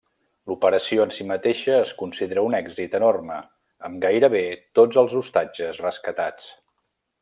L'operació en si mateixa es considera un èxit enorme amb gairebé tots els ostatges rescatats.